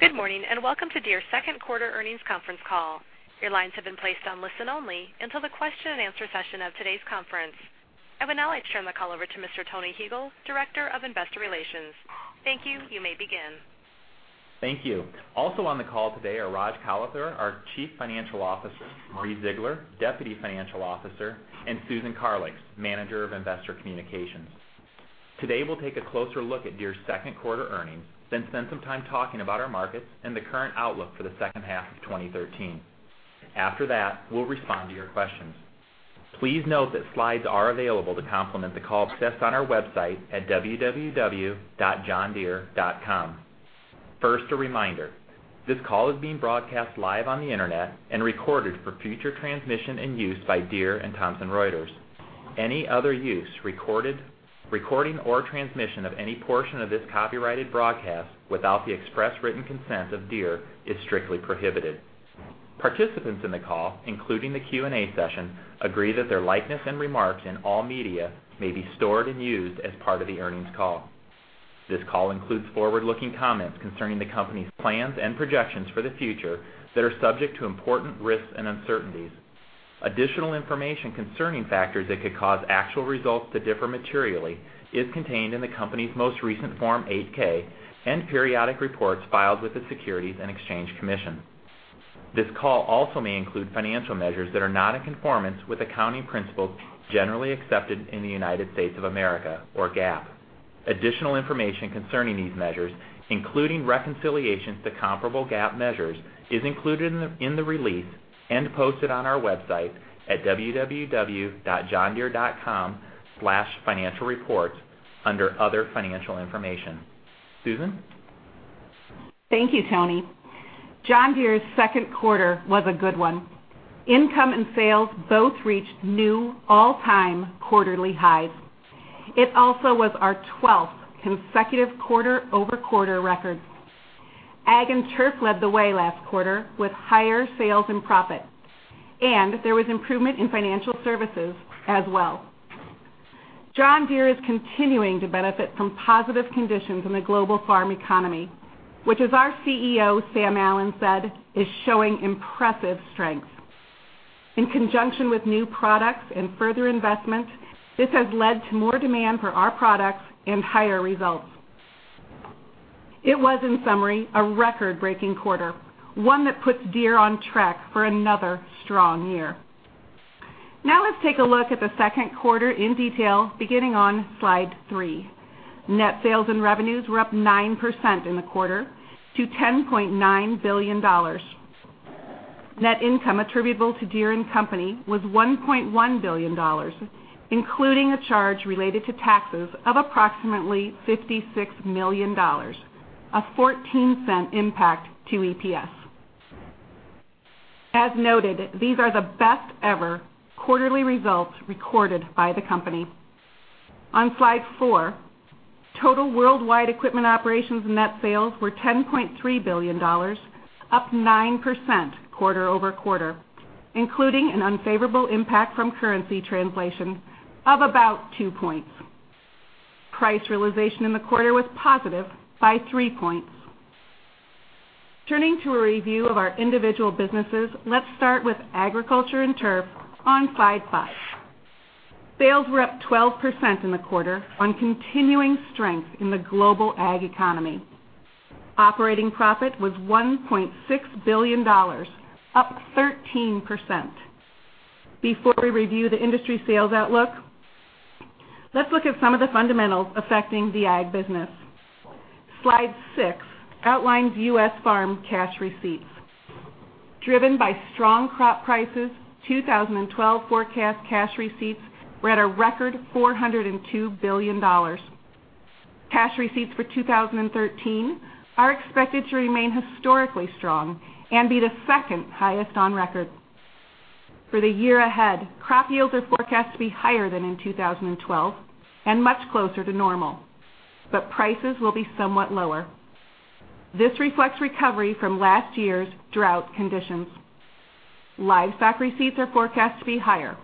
Good morning, welcome to Deere's second quarter earnings conference call. Your lines have been placed on listen only until the question and answer session of today's conference. I would now like to turn the call over to Tony Huegel, Director of Investor Relations. Thank you. You may begin. Thank you. Also on the call today are Rajesh Kalathur, our Chief Financial Officer, Marie Ziegler, Deputy Financial Officer, and Susan Karlix, Manager of Investor Communications. Today, we'll take a closer look at Deere's second quarter earnings, then spend some time talking about our markets and the current outlook for the second half of 2013. After that, we'll respond to your questions. Please note that slides are available to complement the call, accessed on our website at www.johndeere.com. First, a reminder, this call is being broadcast live on the internet and recorded for future transmission and use by Deere and Thomson Reuters. Any other use, recording, or transmission of any portion of this copyrighted broadcast without the express written consent of Deere is strictly prohibited. Participants in the call, including the Q&A session, agree that their likeness and remarks in all media may be stored and used as part of the earnings call. This call includes forward-looking comments concerning the company's plans and projections for the future that are subject to important risks and uncertainties. Additional information concerning factors that could cause actual results to differ materially is contained in the company's most recent Form 8-K and periodic reports filed with the Securities and Exchange Commission. This call also may include financial measures that are not in conformance with accounting principles generally accepted in the United States of America, or GAAP. Additional information concerning these measures, including reconciliations to comparable GAAP measures, is included in the release and posted on our website at www.johndeere.com/financialreports under Other Financial Information. Susan? Thank you, Tony. John Deere's second quarter was a good one. Income and sales both reached new all-time quarterly highs. It also was our 12th consecutive quarter-over-quarter record. Ag and Turf led the way last quarter with higher sales and profit, and there was improvement in financial services as well. John Deere is continuing to benefit from positive conditions in the global farm economy, which as our CEO, Sam Allen said, is showing impressive strength. In conjunction with new products and further investments, this has led to more demand for our products and higher results. It was, in summary, a record-breaking quarter, one that puts Deere on track for another strong year. Now let's take a look at the second quarter in detail beginning on Slide Three. Net sales and revenues were up 9% in the quarter to $10.9 billion. Net income attributable to Deere & Company was $1.1 billion, including a charge related to taxes of approximately $56 million, a $0.14 impact to EPS. As noted, these are the best ever quarterly results recorded by the company. On Slide Four, total worldwide equipment operations net sales were $10.3 billion, up 9% quarter-over-quarter, including an unfavorable impact from currency translation of about two points. Price realization in the quarter was positive by three points. Turning to a review of our individual businesses, let's start with Agriculture and Turf on Slide Five. Sales were up 12% in the quarter on continuing strength in the global ag economy. Operating profit was $1.6 billion, up 13%. Before we review the industry sales outlook, let's look at some of the fundamentals affecting the ag business. Slide Six outlines U.S. farm cash receipts. Driven by strong crop prices, 2012 forecast cash receipts were at a record $402 billion. Cash receipts for 2013 are expected to remain historically strong and be the second highest on record. For the year ahead, crop yields are forecast to be higher than in 2012 and much closer to normal, but prices will be somewhat lower. This reflects recovery from last year's drought conditions. Livestock receipts are forecast to be higher.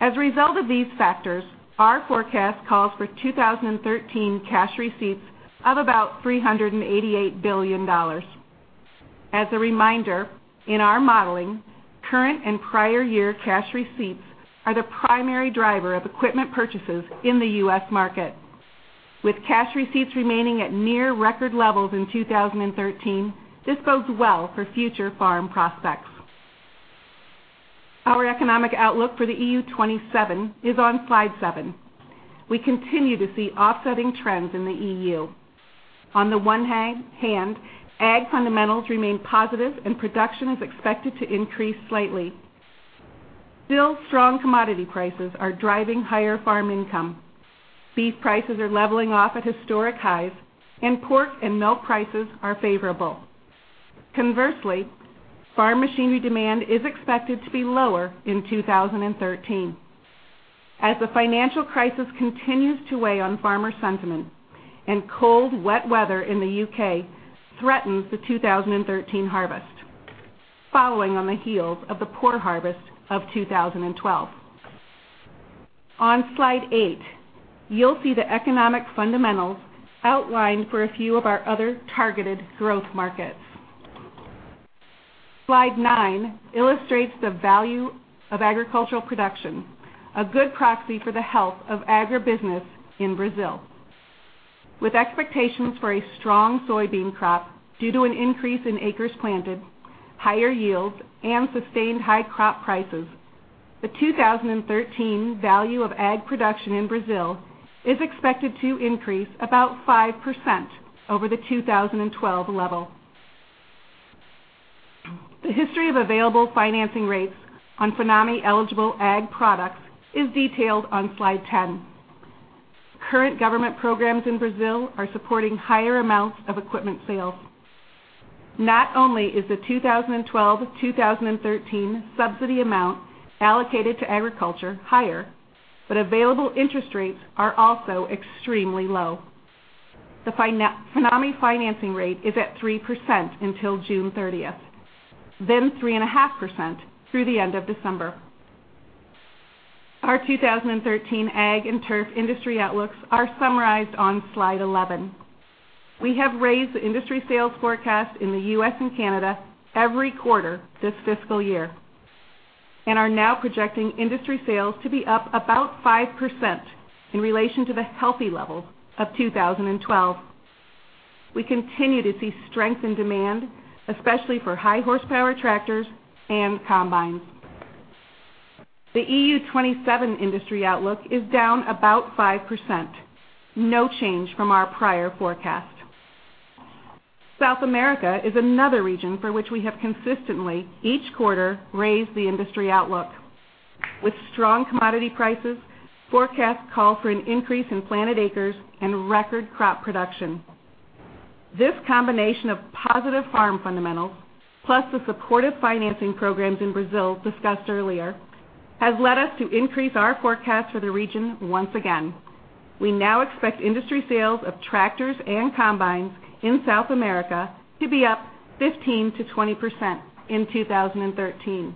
As a result of these factors, our forecast calls for 2013 cash receipts of about $388 billion. As a reminder, in our modeling, current and prior year cash receipts are the primary driver of equipment purchases in the U.S. market. With cash receipts remaining at near record levels in 2013, this bodes well for future farm prospects. Our economic outlook for the EU 27 is on Slide Seven. We continue to see offsetting trends in the EU. On the one hand, ag fundamentals remain positive and production is expected to increase slightly. Still, strong commodity prices are driving higher farm income. Beef prices are leveling off at historic highs, and pork and milk prices are favorable. Conversely, farm machinery demand is expected to be lower in 2013. As the financial crisis continues to weigh on farmer sentiment and cold, wet weather in the U.K. threatens the 2013 harvest, following on the heels of the poor harvest of 2012. On Slide eight, you'll see the economic fundamentals outlined for a few of our other targeted growth markets. Slide nine illustrates the value of agricultural production, a good proxy for the health of agribusiness in Brazil. With expectations for a strong soybean crop due to an increase in acres planted, higher yields, and sustained high crop prices, the 2013 value of ag production in Brazil is expected to increase about 5% over the 2012 level. The history of available financing rates on FINAME-eligible ag products is detailed on Slide 10. Current government programs in Brazil are supporting higher amounts of equipment sales. Not only is the 2012-2013 subsidy amount allocated to agriculture higher, but available interest rates are also extremely low. The FINAME financing rate is at 3% until June 30th, then 3.5% through the end of December. Our 2013 ag and turf industry outlooks are summarized on Slide 11. We have raised the industry sales forecast in the U.S. and Canada every quarter this fiscal year and are now projecting industry sales to be up about 5% in relation to the healthy level of 2012. We continue to see strength in demand, especially for high-horsepower tractors and combines. The EU 27 industry outlook is down about 5%, no change from our prior forecast. South America is another region for which we have consistently, each quarter, raised the industry outlook. With strong commodity prices, forecasts call for an increase in planted acres and record crop production. This combination of positive farm fundamentals, plus the supportive financing programs in Brazil discussed earlier, has led us to increase our forecast for the region once again. We now expect industry sales of tractors and combines in South America to be up 15%-20% in 2013.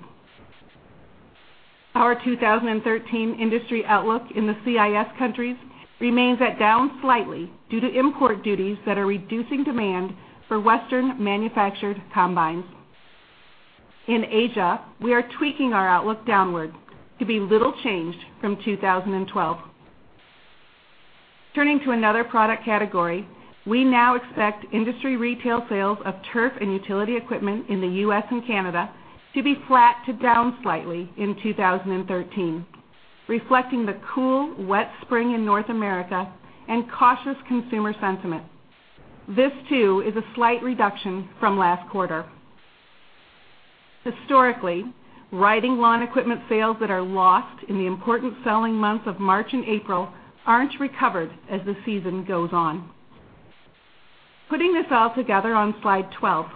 Our 2013 industry outlook in the CIS countries remains at down slightly due to import duties that are reducing demand for Western-manufactured combines. In Asia, we are tweaking our outlook downward to be little changed from 2012. Turning to another product category, we now expect industry retail sales of turf and utility equipment in the U.S. and Canada to be flat to down slightly in 2013, reflecting the cool, wet spring in North America and cautious consumer sentiment. This, too, is a slight reduction from last quarter. Historically, riding lawn equipment sales that are lost in the important selling months of March and April aren't recovered as the season goes on. Putting this all together on Slide 12,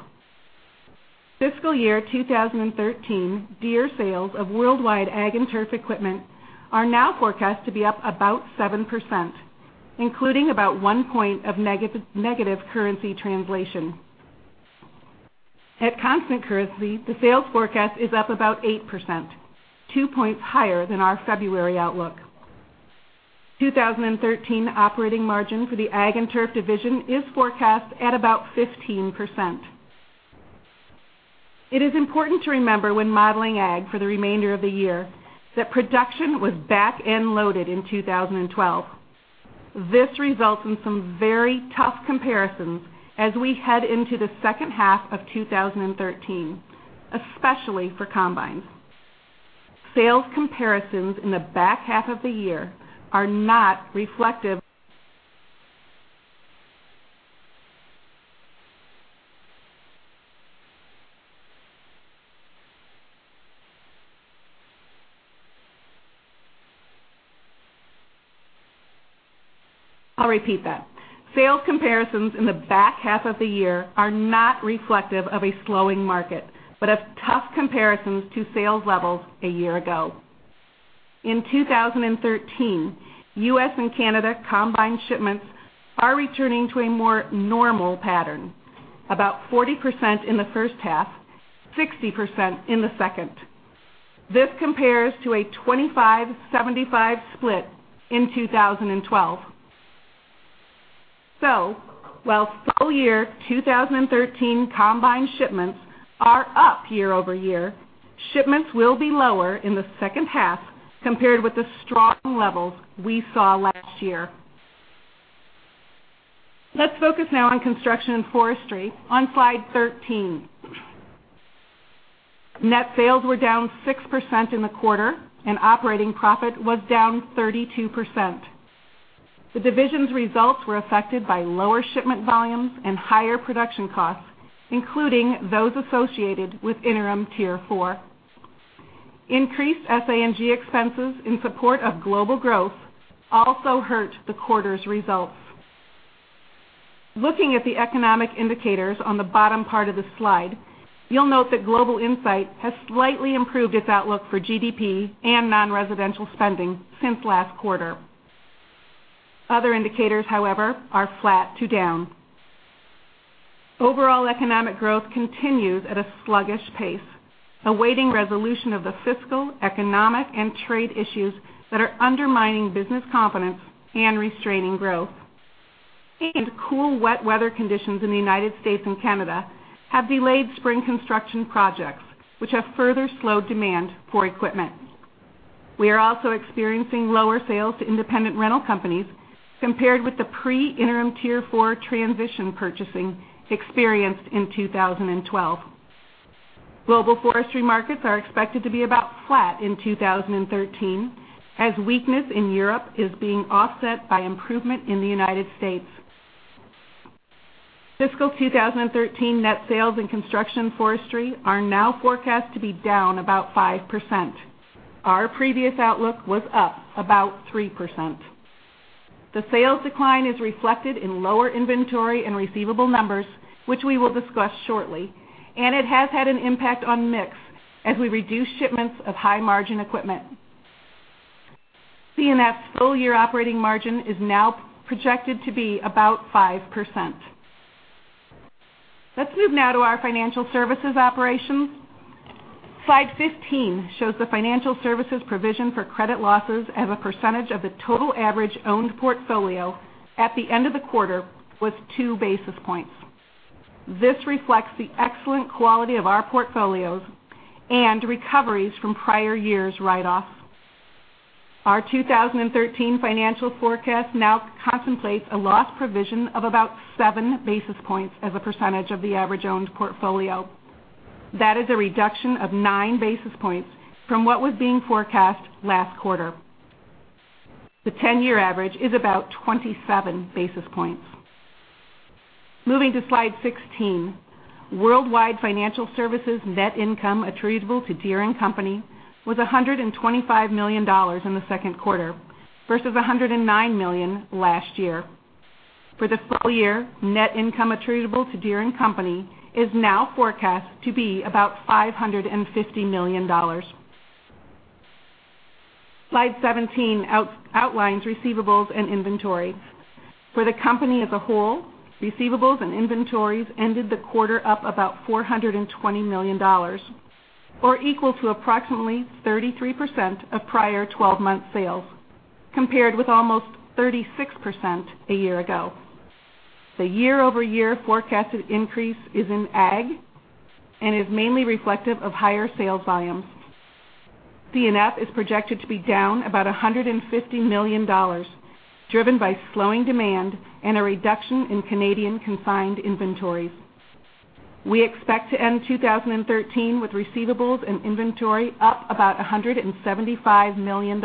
fiscal year 2013 Deere sales of worldwide ag and turf equipment are now forecast to be up about 7%, including about one point of negative currency translation. At constant currency, the sales forecast is up about 8%, two points higher than our February outlook. 2013 operating margin for the ag and turf division is forecast at about 15%. It is important to remember when modeling ag for the remainder of the year that production was back-end loaded in 2012. This results in some very tough comparisons as we head into the second half of 2013, especially for combines. Sales comparisons in the back half of the year are not reflective. I'll repeat that. Sales comparisons in the back half of the year are not reflective of a slowing market but of tough comparisons to sales levels a year ago. In 2013, U.S. and Canada combine shipments are returning to a more normal pattern, about 40% in the first half, 60% in the second. This compares to a 25/75 split in 2012. While full-year 2013 combine shipments are up year-over-year, shipments will be lower in the second half compared with the strong levels we saw last year. Let's focus now on construction and forestry on Slide 13. Net sales were down 6% in the quarter, and operating profit was down 32%. The division's results were affected by lower shipment volumes and higher production costs, including those associated with Interim Tier 4. Increased SA&G expenses in support of global growth also hurt the quarter's results. Looking at the economic indicators on the bottom part of the slide, you'll note that Global Insight has slightly improved its outlook for GDP and non-residential spending since last quarter. Other indicators, however, are flat to down. Overall economic growth continues at a sluggish pace, awaiting resolution of the fiscal, economic, and trade issues that are undermining business confidence and restraining growth. Cool, wet weather conditions in the U.S. and Canada have delayed spring construction projects, which have further slowed demand for equipment. We are also experiencing lower sales to independent rental companies compared with the pre-Interim Tier 4 transition purchasing experienced in 2012. Global forestry markets are expected to be about flat in 2013, as weakness in Europe is being offset by improvement in the U.S. Fiscal 2013 net sales in Construction Forestry are now forecast to be down about 5%. Our previous outlook was up about 3%. The sales decline is reflected in lower inventory and receivable numbers, which we will discuss shortly, and it has had an impact on mix as we reduce shipments of high-margin equipment. C&F's full-year operating margin is now projected to be about 5%. Let's move now to our financial services operations. Slide 15 shows the financial services provision for credit losses as a percentage of the total average owned portfolio at the end of the quarter was two basis points. This reflects the excellent quality of our portfolios and recoveries from prior years' write-offs. Our 2013 financial forecast now contemplates a loss provision of about seven basis points as a percentage of the average owned portfolio. That is a reduction of nine basis points from what was being forecast last quarter. The 10-year average is about 27 basis points. Moving to Slide 16, worldwide financial services net income attributable to Deere & Company was $125 million in the second quarter versus $109 million last year. For the full year, net income attributable to Deere & Company is now forecast to be about $550 million. Slide 17 outlines receivables and inventory. For the company as a whole, receivables and inventories ended the quarter up about $420 million, or equal to approximately 33% of prior 12-month sales, compared with almost 36% a year ago. The year-over-year forecasted increase is in Ag and is mainly reflective of higher sales volumes. C&F is projected to be down about $150 million, driven by slowing demand and a reduction in Canadian combine inventories. We expect to end 2013 with receivables and inventory up about $175 million.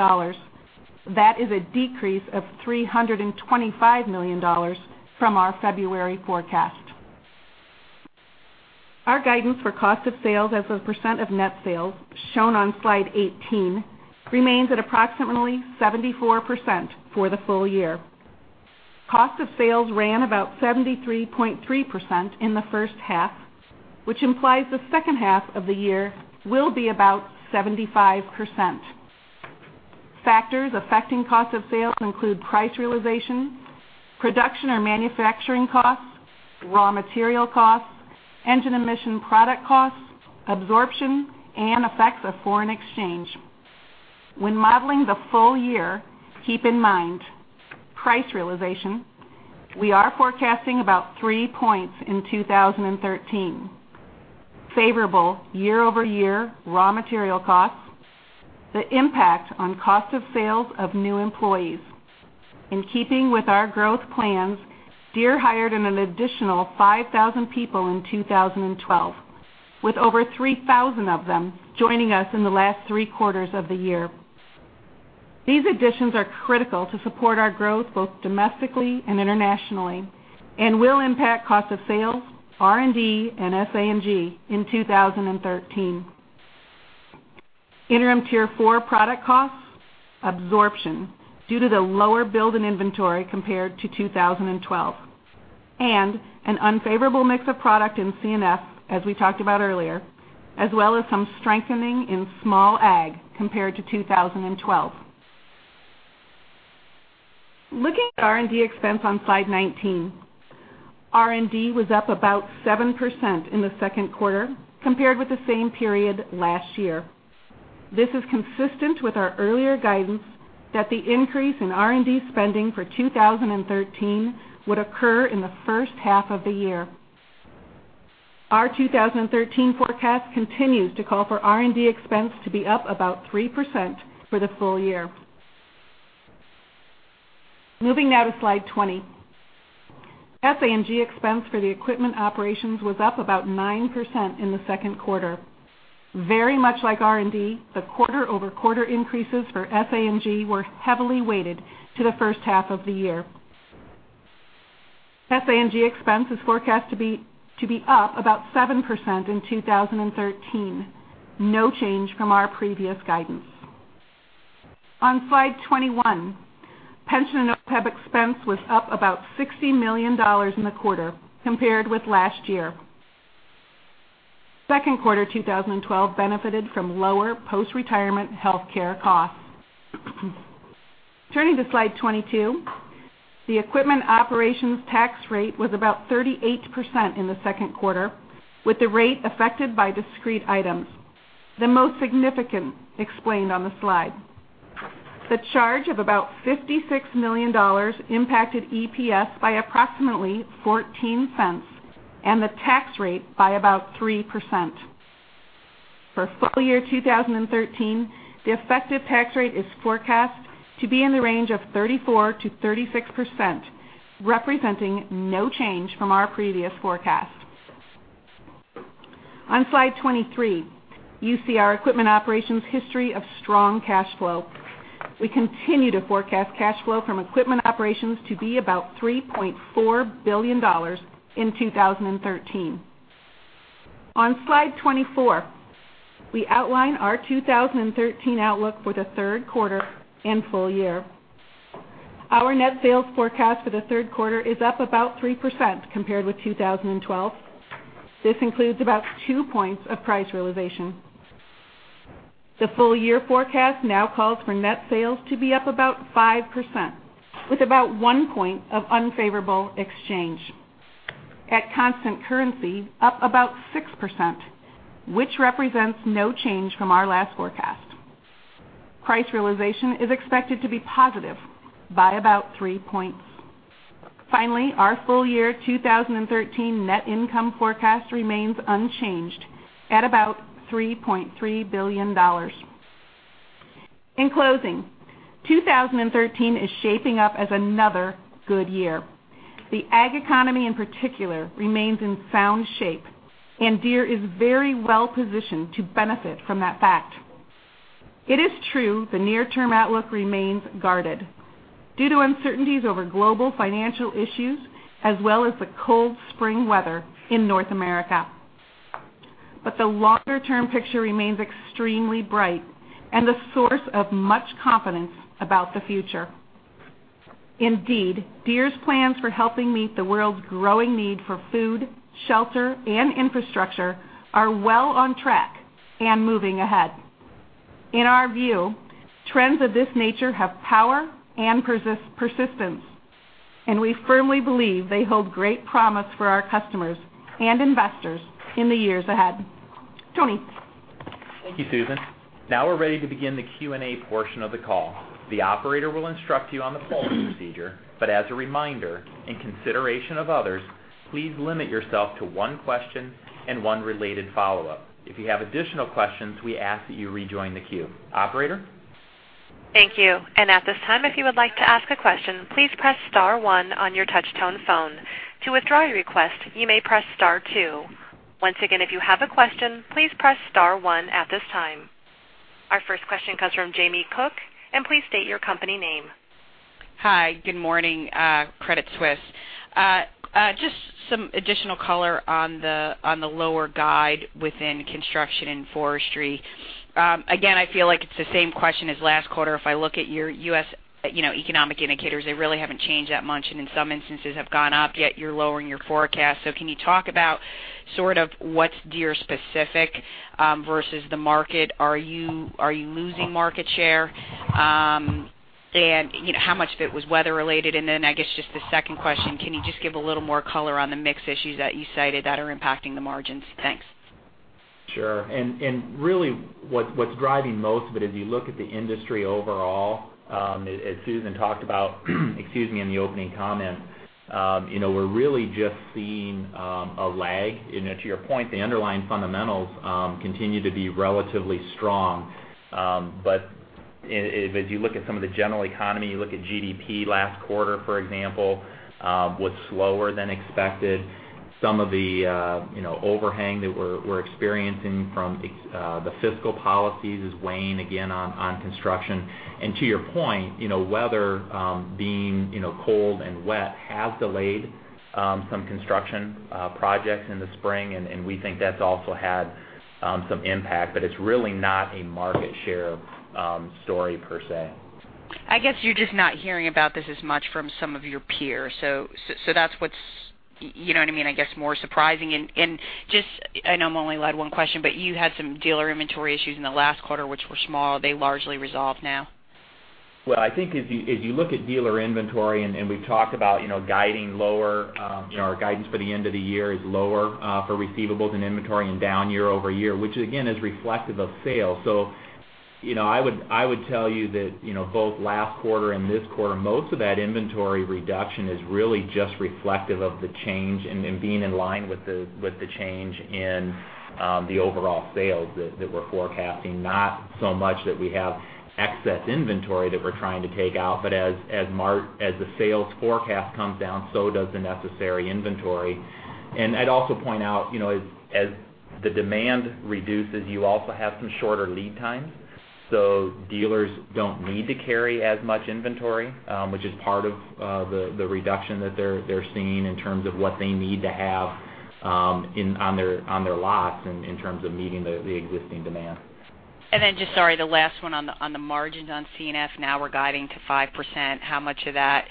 That is a decrease of $325 million from our February forecast. Our guidance for cost of sales as a percent of net sales, shown on Slide 18, remains at approximately 74% for the full year. Cost of sales ran about 73.3% in the first half, which implies the second half of the year will be about 75%. Factors affecting cost of sales include price realization, production or manufacturing costs, raw material costs, engine emission product costs, absorption, and effects of foreign exchange. When modeling the full year, keep in mind price realization. We are forecasting about three points in 2013. Favorable year-over-year raw material costs. The impact on cost of sales of new employees. In keeping with our growth plans, Deere hired an additional 5,000 people in 2012, with over 3,000 of them joining us in the last three quarters of the year. These additions are critical to support our growth both domestically and internationally and will impact cost of sales, R&D, and SG&A in 2013. Interim Tier 4 product costs. Absorption due to the lower build in inventory compared to 2012. And an unfavorable mix of product in C&F, as we talked about earlier, as well as some strengthening in small Ag compared to 2012. Looking at R&D expense on Slide 19, R&D was up about 7% in the second quarter compared with the same period last year. This is consistent with our earlier guidance that the increase in R&D spending for 2013 would occur in the first half of the year. Our 2013 forecast continues to call for R&D expense to be up about 3% for the full year. Moving now to Slide 20. SG&A expense for the equipment operations was up about 9% in the second quarter. Very much like R&D, the quarter-over-quarter increases for SG&A were heavily weighted to the first half of the year. SG&A expense is forecast to be up about 7% in 2013, no change from our previous guidance. On Slide 21, pension and OPEB expense was up about $60 million in the quarter compared with last year. Second quarter 2012 benefited from lower post-retirement healthcare costs. Turning to Slide 22, the equipment operations tax rate was about 38% in the second quarter, with the rate affected by discrete items, the most significant explained on the slide. The charge of about $56 million impacted EPS by approximately $0.14, and the tax rate by about 3%. For full year 2013, the effective tax rate is forecast to be in the range of 34%-36%, representing no change from our previous forecast. On Slide 23, you see our equipment operations history of strong cash flow. We continue to forecast cash flow from equipment operations to be about $3.4 billion in 2013. On Slide 24, we outline our 2013 outlook for the third quarter and full year. Our net sales forecast for the third quarter is up about 3% compared with 2012. This includes about two points of price realization. The full-year forecast now calls for net sales to be up about 5%, with about one point of unfavorable exchange. At constant currency, up about 6%, which represents no change from our last forecast. Price realization is expected to be positive by about three points. Finally, our full year 2013 net income forecast remains unchanged at about $3.3 billion. In closing, 2013 is shaping up as another good year. The ag economy in particular remains in sound shape, and Deere is very well-positioned to benefit from that fact. It is true the near-term outlook remains guarded due to uncertainties over global financial issues, as well as the cold spring weather in North America. The longer-term picture remains extremely bright and a source of much confidence about the future. Indeed, Deere's plans for helping meet the world's growing need for food, shelter, and infrastructure are well on track and moving ahead. In our view, trends of this nature have power and persistence, and we firmly believe they hold great promise for our customers and investors in the years ahead. Tony? Thank you, Susan. Now we're ready to begin the Q&A portion of the call. The operator will instruct you on the call procedure, but as a reminder, in consideration of others, please limit yourself to one question and one related follow-up. If you have additional questions, we ask that you rejoin the queue. Operator? Thank you. At this time, if you would like to ask a question, please press *1 on your touch-tone phone. To withdraw your request, you may press *2. Once again, if you have a question, please press *1 at this time. Our first question comes from Jamie Cook, and please state your company name. Hi, good morning. Credit Suisse. Just some additional color on the lower guide within Construction & Forestry. Again, I feel like it's the same question as last quarter. If I look at your U.S. economic indicators, they really haven't changed that much, and in some instances have gone up, yet you're lowering your forecast. Can you talk about what's Deere specific versus the market? Are you losing market share? How much of it was weather-related? I guess just the second question, can you just give a little more color on the mix issues that you cited that are impacting the margins? Thanks. Sure. Really, what's driving most of it, as you look at the industry overall, as Susan talked about in the opening comments, we're really just seeing a lag. To your point, the underlying fundamentals continue to be relatively strong. As you look at some of the general economy, you look at GDP last quarter, for example, was slower than expected. Some of the overhang that we're experiencing from the fiscal policies is weighing again on construction. To your point, weather being cold and wet has delayed some construction projects in the spring, and we think that's also had some impact. It's really not a market share story per se. I guess you're just not hearing about this as much from some of your peers. That's what's more surprising. I know I'm only allowed one question, you had some dealer inventory issues in the last quarter, which were small. Are they largely resolved now? Well, I think if you look at dealer inventory, we've talked about guiding lower, our guidance for the end of the year is lower for receivables and inventory and down year-over-year, which again is reflective of sales. I would tell you that both last quarter and this quarter, most of that inventory reduction is really just reflective of the change and being in line with the change in the overall sales that we're forecasting. Not so much that we have excess inventory that we're trying to take out, but as the sales forecast comes down, so does the necessary inventory. I'd also point out, as the demand reduces, you also have some shorter lead times. Dealers don't need to carry as much inventory, which is part of the reduction that they're seeing in terms of what they need to have on their lots in terms of meeting the existing demand. Just, sorry, the last one on the margins on C&F. Now we're guiding to 5%. How much of that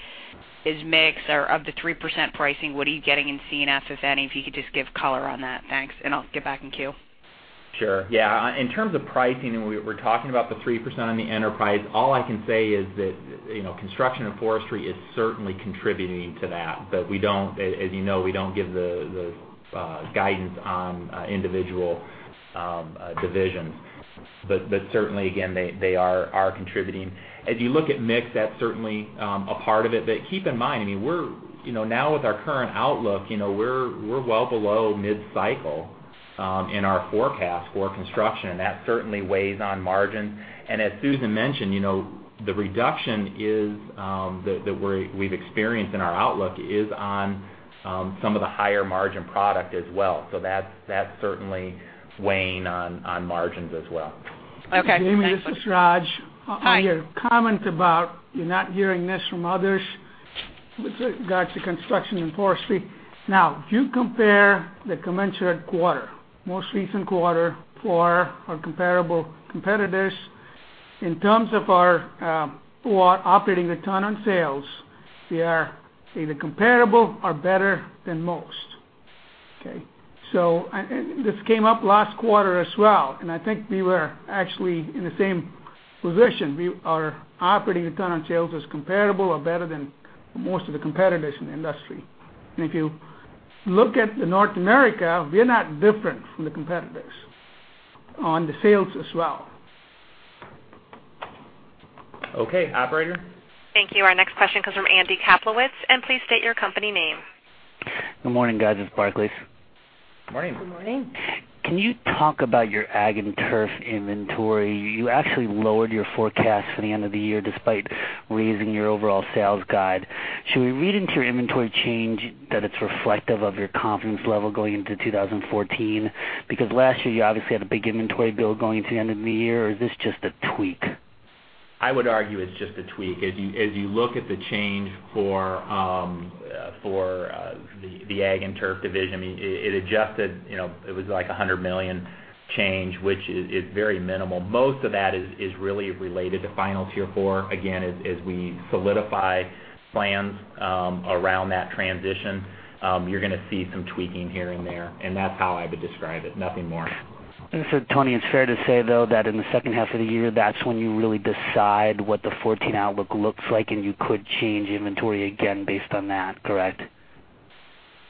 is mix or of the 3% pricing, what are you getting in C&F, if any? If you could just give color on that. Thanks. I'll get back in queue. Sure. Yeah. In terms of pricing, we're talking about the 3% on the enterprise, all I can say is that Construction & Forestry is certainly contributing to that. As you know, we don't give the guidance on individual divisions. Certainly, again, they are contributing. As you look at mix, that's certainly a part of it. Keep in mind, now with our current outlook, we're well below mid-cycle in our forecast for construction, and that certainly weighs on margins. As Susan mentioned, the reduction that we've experienced in our outlook is on some of the higher margin product as well. That's certainly weighing on margins as well. Okay, thanks. Jamie, this is Raj. Hi. On your comment about you're not hearing this from others with regards to construction and forestry. If you compare the commensurate quarter, most recent quarter for our comparable competitors in terms of our operating return on sales, we are either comparable or better than most. Okay. This came up last quarter as well, and I think we were actually in the same position. Our operating return on sales is comparable or better than most of the competitors in the industry. If you look at North America, we're not different from the competitors on the sales as well. Okay. Operator? Thank you. Our next question comes from Andy Kaplowitz. Please state your company name. Good morning, guys. It's Barclays. Morning. Good morning. Can you talk about your ag and turf inventory? You actually lowered your forecast for the end of the year despite raising your overall sales guide. Should we read into your inventory change that it's reflective of your confidence level going into 2014? Because last year you obviously had a big inventory build going into the end of the year, or is this just a tweak? I would argue it's just a tweak. As you look at the change for the ag and turf division, it adjusted, it was like $100 million change, which is very minimal. Most of that is really related to Final Tier 4. Again, as we solidify plans around that transition, you're going to see some tweaking here and there, and that's how I would describe it. Nothing more. Tony, it's fair to say, though, that in the second half of the year, that's when you really decide what the 2014 outlook looks like, and you could change inventory again based on that, correct?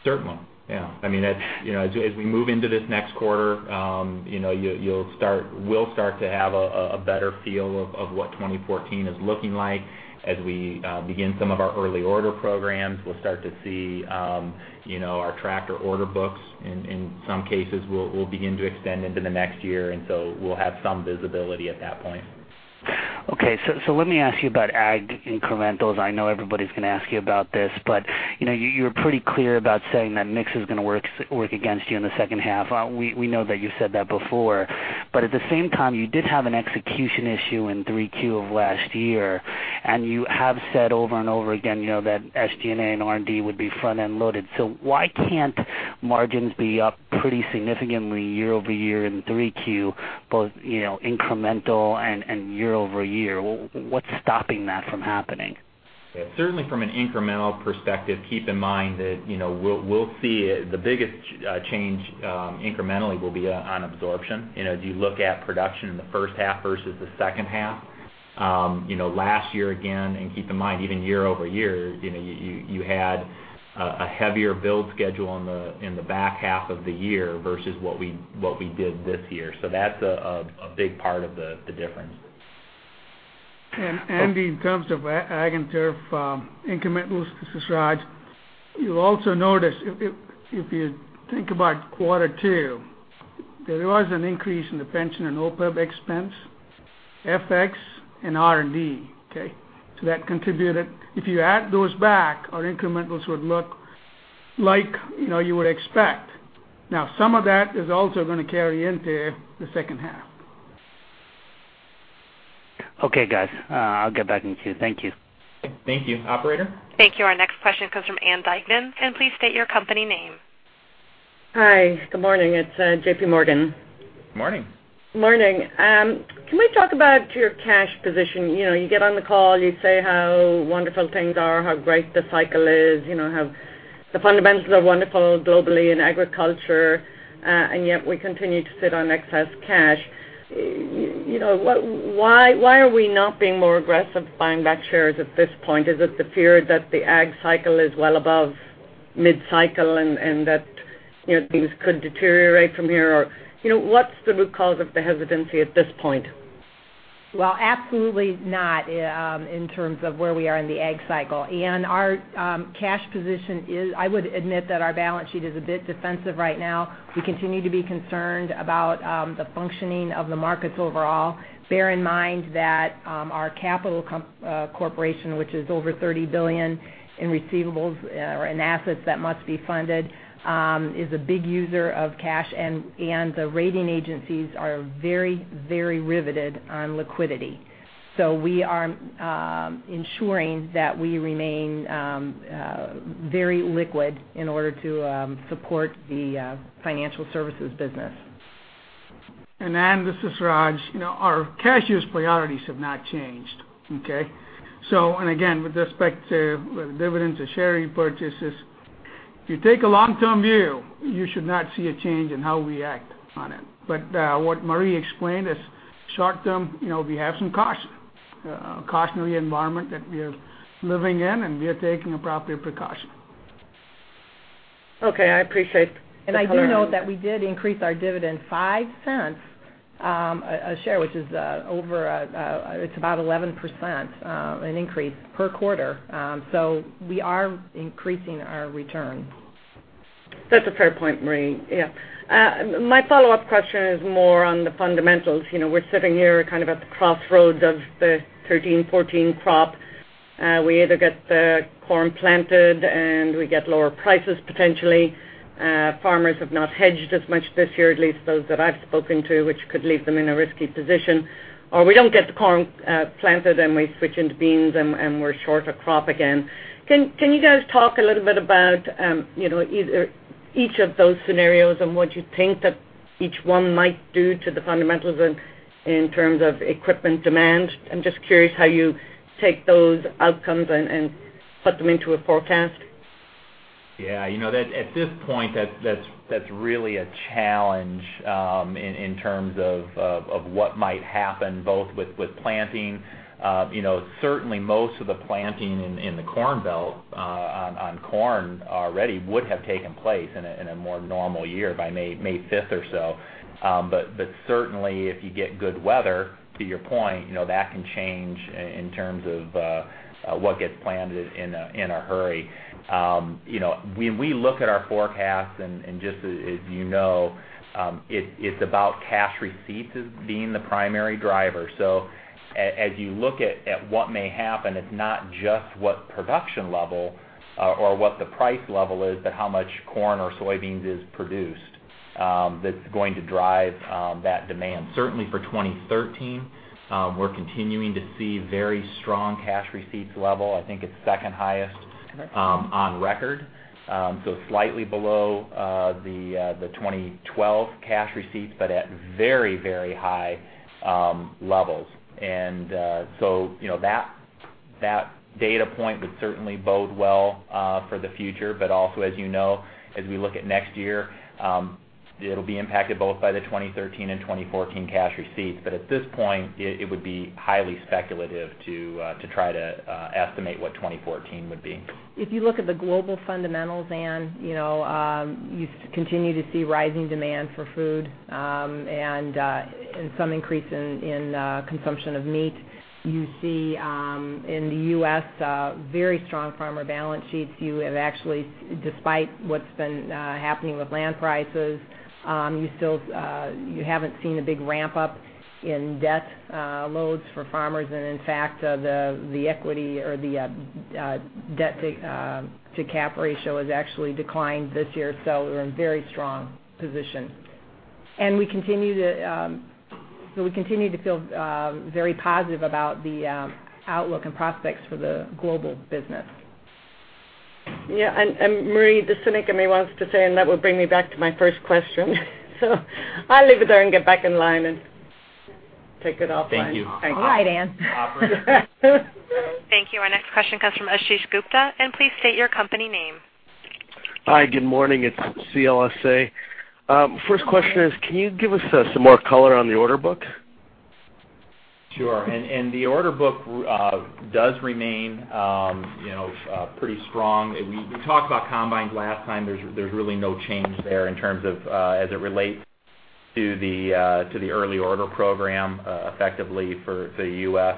Certainly, yeah. As we move into this next quarter, we'll start to have a better feel of what 2014 is looking like. As we begin some of our early order programs, we'll start to see our tractor order books. In some cases, we'll begin to extend into the next year, we'll have some visibility at that point. Okay, let me ask you about ag incrementals. I know everybody's going to ask you about this, you were pretty clear about saying that mix is going to work against you in the second half. We know that you said that before. At the same time, you did have an execution issue in 3Q of last year, and you have said over and over again that SG&A and R&D would be front-end loaded. Why can't margins be up pretty significantly year-over-year in 3Q, both incremental and year-over-year? What's stopping that from happening? Yeah. Certainly from an incremental perspective, keep in mind that we'll see the biggest change incrementally will be on absorption. If you look at production in the first half versus the second half. Last year again, keep in mind, even year-over-year, you had a heavier build schedule in the back half of the year versus what we did this year. That's a big part of the difference. Andy, in terms of ag and turf incrementals, this is Raj. You'll also notice if you think about quarter two, there was an increase in the pension and OPEB expense, FX, and R&D. Okay? That contributed. If you add those back, our incrementals would look like you would expect. Some of that is also going to carry into the second half. Okay, guys. I'll get back in queue. Thank you. Thank you. Operator? Thank you. Our next question comes from Ann Duignan, and please state your company name. Hi. Good morning. It's JPMorgan. Morning. Morning. Can we talk about your cash position? You get on the call, you say how wonderful things are, how great the cycle is, how the fundamentals are wonderful globally in agriculture, yet we continue to sit on excess cash. Why are we not being more aggressive buying back shares at this point? Is it the fear that the ag cycle is well above mid-cycle and that things could deteriorate from here? What's the root cause of the hesitancy at this point? Well, absolutely not in terms of where we are in the ag cycle. Ann, our cash position is, I would admit that our balance sheet is a bit defensive right now. We continue to be concerned about the functioning of the markets overall. Bear in mind that our capital corporation, which is over $30 billion in receivables or in assets that must be funded, is a big user of cash, and the rating agencies are very, very riveted on liquidity. We are ensuring that we remain very liquid in order to support the financial services business. Ann, this is Raj. Our cash use priorities have not changed. Okay? With respect to dividends or share repurchases, if you take a long-term view, you should not see a change in how we act on it. What Marie explained is short-term, we have some caution. Cautionary environment that we are living in, and we are taking the proper precaution. Okay. I appreciate the color. I do note that we did increase our dividend $0.05 a share, which is about 11% an increase per quarter. We are increasing our return. That's a fair point, Marie. Yeah. My follow-up question is more on the fundamentals. We're sitting here kind of at the crossroads of the 2013, 2014 crop. We either get the corn planted and we get lower prices potentially. Farmers have not hedged as much this year, at least those that I've spoken to, which could leave them in a risky position. We don't get the corn planted, and we switch into beans and we're short a crop again. Can you guys talk a little bit about each of those scenarios and what you think that each one might do to the fundamentals in terms of equipment demand? I'm just curious how you take those outcomes and put them into a forecast. Yeah. At this point, that's really a challenge in terms of what might happen, both with planting. Certainly, most of the planting in the corn belt on corn already would have taken place in a more normal year by May 5th or so. Certainly if you get good weather, to your point, that can change in terms of what gets planted in a hurry. When we look at our forecasts, and just as you know, it's about cash receipts as being the primary driver. As you look at what may happen, it's not just what production level or what the price level is, but how much corn or soybeans is produced that's going to drive that demand. Certainly for 2013, we're continuing to see very strong cash receipts level. I think it's second highest on record. Slightly below the 2012 cash receipts, but at very high levels. That data point would certainly bode well for the future. Also, as you know, as we look at next year, it'll be impacted both by the 2013 and 2014 cash receipts, but at this point, it would be highly speculative to try to estimate what 2014 would be. You look at the global fundamentals, Ann, you continue to see rising demand for food and some increase in consumption of meat. You see in the U.S. very strong farmer balance sheets. You have actually, despite what's been happening with land prices, you haven't seen a big ramp-up in debt loads for farmers. In fact, the equity or the debt-to-cap ratio has actually declined this year. We're in a very strong position. We continue to feel very positive about the outlook and prospects for the global business. Yeah. Marie, the cynic in me wants to say, that would bring me back to my first question. I'll leave it there and get back in line and take it offline. Thank you. All right, Ann. Thank you. Our next question comes from Ashish Gupta, please state your company name. Hi, good morning. It's CLSA. First question is, can you give us some more color on the order book? Sure. The order book does remain pretty strong. We talked about combines last time. There's really no change there in terms of as it relates to the early order program effectively for the U.S.,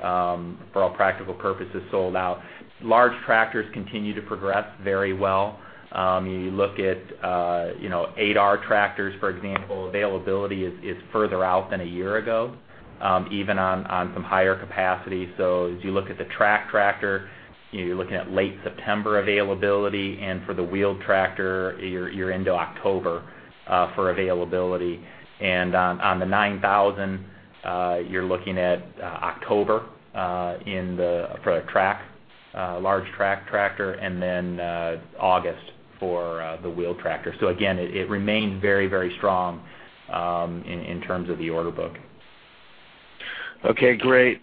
for all practical purposes, sold out. Large tractors continue to progress very well. You look at 8R tractors, for example, availability is further out than a year ago, even on some higher capacity. As you look at the track tractor, you're looking at late September availability, for the wheel tractor, you're into October for availability. On the 9R, you're looking at October for a large track tractor then August for the wheel tractor. Again, it remained very strong in terms of the order book. Okay, great.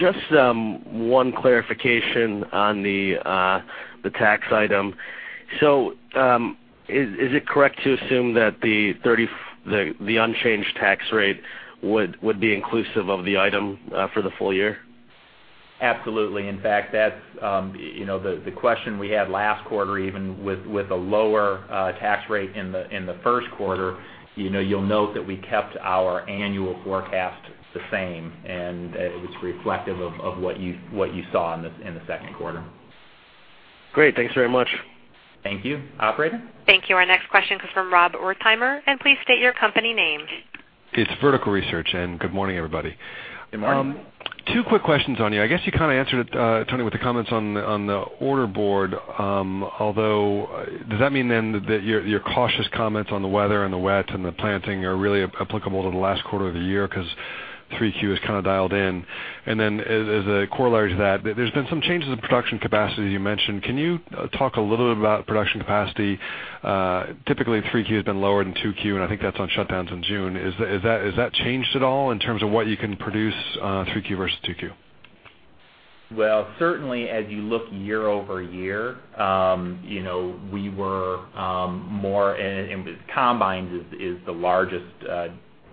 Just one clarification on the tax item. Is it correct to assume that the unchanged tax rate would be inclusive of the item for the full year? Absolutely. The question we had last quarter, even with a lower tax rate in the first quarter, you'll note that we kept our annual forecast the same, and it was reflective of what you saw in the second quarter. Great. Thanks very much. Thank you. Operator? Thank you. Our next question comes from Rob Wertheimer. Please state your company name. It's Vertical Research, good morning, everybody. Good morning. Two quick questions on you. I guess you kind of answered it, Tony, with the comments on the order board. Does that mean then that your cautious comments on the weather and the wet and the planting are really applicable to the last quarter of the year? Because 3Q is kind of dialed in. As a corollary to that, there's been some changes in production capacity that you mentioned. Can you talk a little bit about production capacity? Typically, 3Q has been lower than 2Q, and I think that's on shutdowns in June. Has that changed at all in terms of what you can produce 3Q versus 2Q? Certainly as you look year-over-year, with combines is the largest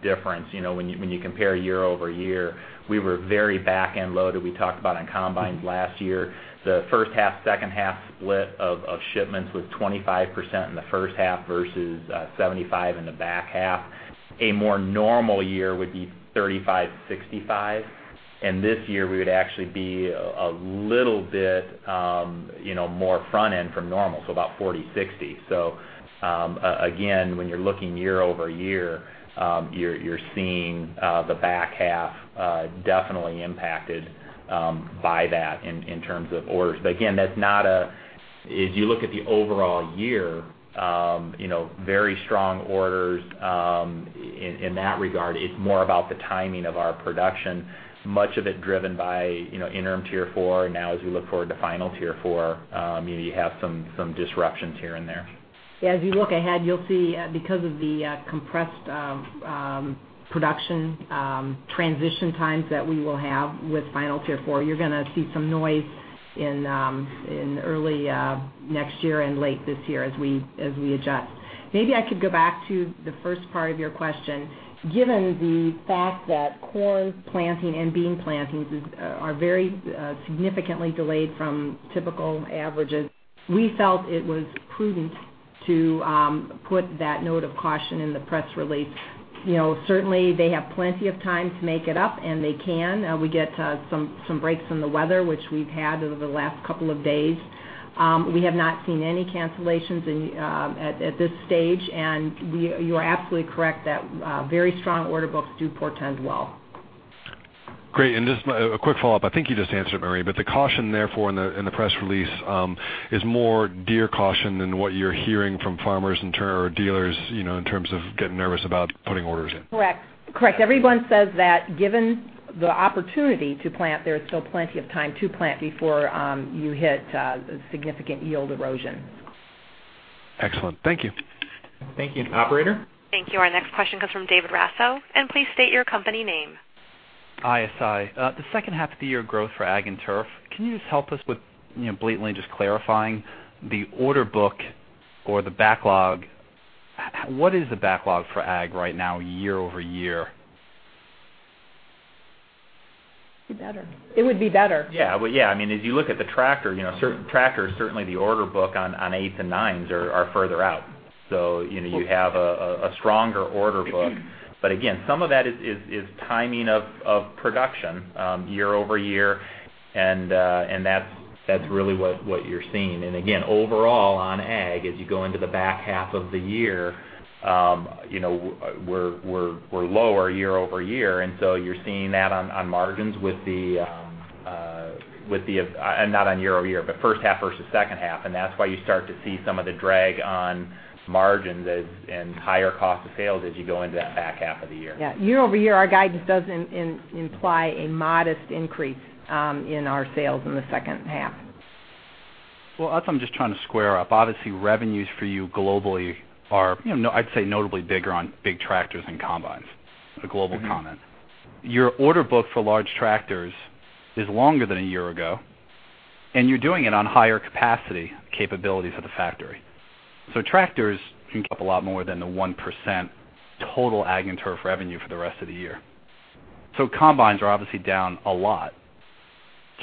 difference. When you compare year-over-year, we were very back-end loaded. We talked about on combines last year, the first half, second half split of shipments was 25% in the first half versus 75% in the back half. A more normal year would be 35%/65% and this year we would actually be a little bit more front end from normal, so about 40%/60%. Again, when you're looking year-over-year, you're seeing the back half definitely impacted by that in terms of orders. Again, if you look at the overall year, very strong orders, in that regard, it's more about the timing of our production, much of it driven by Interim Tier 4. As we look toward the Final Tier 4, you have some disruptions here and there. Yeah. As you look ahead, you'll see because of the compressed production transition times that we will have with Final Tier 4, you're going to see some noise in early next year and late this year as we adjust. Maybe I could go back to the first part of your question. Given the fact that corn planting and bean plantings are very significantly delayed from typical averages, we felt it was prudent to put that note of caution in the press release. Certainly, they have plenty of time to make it up, and they can. We get some breaks in the weather, which we've had over the last couple of days. We have not seen any cancellations at this stage. You are absolutely correct that very strong order books do portend well. Great. Just a quick follow-up. I think you just answered, Marie, but the caution therefore in the press release is more Deere caution than what you're hearing from farmers and turf dealers in terms of getting nervous about putting orders in. Correct. Everyone says that given the opportunity to plant, there is still plenty of time to plant before you hit significant yield erosion. Excellent. Thank you. Thank you. Operator? Thank you. Our next question comes from David Raso. Please state your company name. ISI. The second half of the year growth for Ag and Turf, can you just help us with blatantly just clarifying the order book or the backlog? What is the backlog for Ag right now year-over-year? It would be better. Yeah. As you look at the tractor, certainly the order book on eights and nines are further out. You have a stronger order book. Again, some of that is timing of production year-over-year and that's really what you're seeing. Again, overall on Ag, as you go into the back half of the year, we're lower year-over-year. You're seeing that on margins with the not on year-over-year, but first half versus second half, and that's why you start to see some of the drag on margins and higher cost of sales as you go into that back half of the year. Yeah. Year-over-year, our guidance does imply a modest increase in our sales in the second half. Well, that's what I'm just trying to square up. Obviously, revenues for you globally are, I'd say notably bigger on big tractors and combines. A global comment. Your order book for large tractors is longer than a year ago, and you're doing it on higher capacity capabilities at the factory. Tractors can keep a lot more than the 1% total Ag and Turf revenue for the rest of the year. Combines are obviously down a lot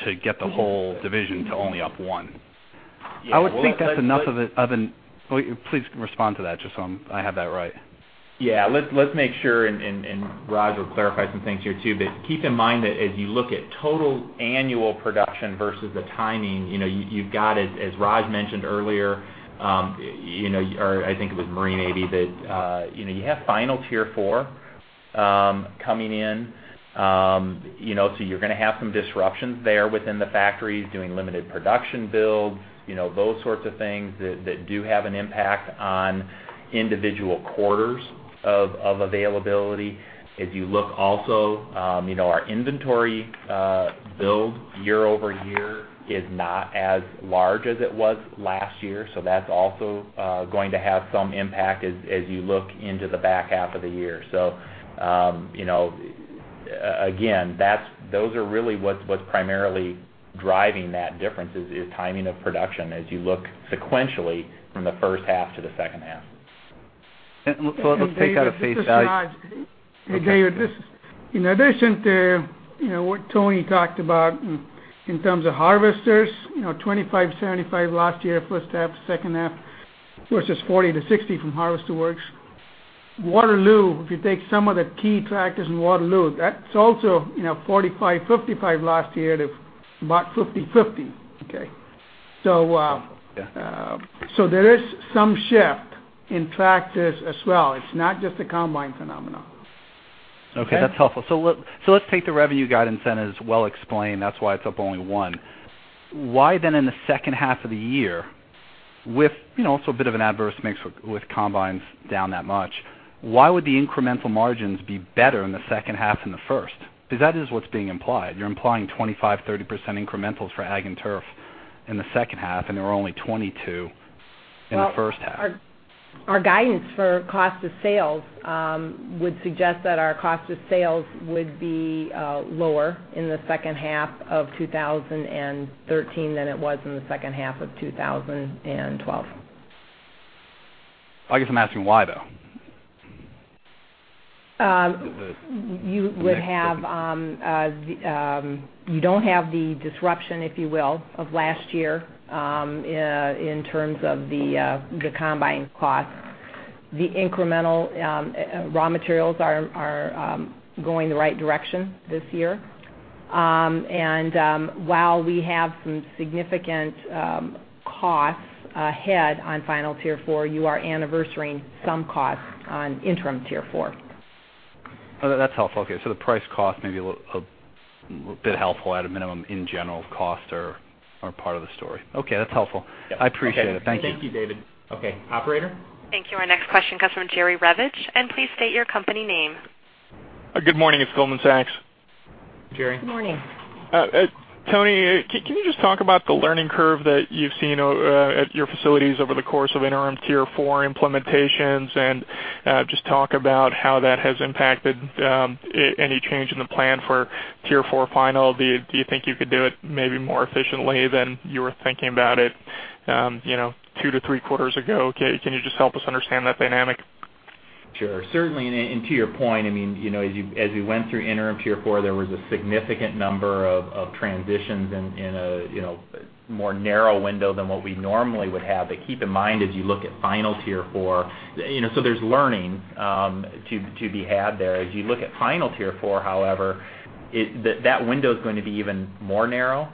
to get the whole division to only up one. Yeah. Well, as I- Please respond to that, just so I have that right. Yeah. Let's make sure, Raj will clarify some things here too, but keep in mind that as you look at total annual production versus the timing, you've got, as Raj mentioned earlier, or I think it was Marie maybe, that you have Final Tier 4 coming in. You're going to have some disruptions there within the factories doing limited production builds, those sorts of things that do have an impact on individual quarters of availability. If you look also, our inventory build year-over-year is not as large as it was last year. That's also going to have some impact as you look into the back half of the year. Again, those are really what's primarily driving that difference is timing of production as you look sequentially from the first half to the second half. Let's take out of- This is Raj. Okay. Hey, David. In addition to what Tony talked about in terms of harvesters, 25/75 last year, first half to second half, versus 40 to 60 from harvester works. Waterloo, if you take some of the key tractors in Waterloo, that's also 45/55 last year to about 50/50, okay? Yeah. There is some shift in tractors as well. It's not just a combine phenomenon. Okay? Okay. That's helpful. Let's take the revenue guidance then, as well explained, that's why it's up only 1%. Why then in the second half of the year, with also a bit of an adverse mix with combines down that much, why would the incremental margins be better in the second half than the first? Because that is what's being implied. You're implying 25%-30% incrementals for ag and turf in the second half, and there were only 22% in the first half. Well, our guidance for cost of sales would suggest that our cost of sales would be lower in the second half of 2013 than it was in the second half of 2012. I guess I'm asking why, though. You don't have the disruption, if you will, of last year in terms of the combine costs. The incremental raw materials are going the right direction this year. While we have some significant costs ahead on Final Tier 4, you are anniversarying some costs on Interim Tier 4. That's helpful. The price cost may be a bit helpful at a minimum in general, if costs are part of the story. That's helpful. I appreciate it. Thank you. Thank you, David. Operator? Thank you. Our next question comes from Jerry Revich, please state your company name. Good morning. It's Goldman Sachs. Jerry. Good morning. Tony, can you just talk about the learning curve that you've seen at your facilities over the course of Interim Tier 4 implementations, just talk about how that has impacted any change in the plan for Final Tier 4? Do you think you could do it maybe more efficiently than you were thinking about it two to three quarters ago? Can you just help us understand that dynamic? Sure. Certainly, to your point, as we went through Interim Tier 4, there was a significant number of transitions in a more narrow window than what we normally would have. Keep in mind, as you look at Final Tier 4, there's learning to be had there. As you look at Final Tier 4, however, that window's going to be even more narrow,